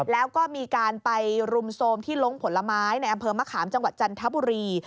แล้วก็มีการไปรุมโทรมที่ลงผลไม้ในอำเภอมะขามจังหวัดจันทบุรี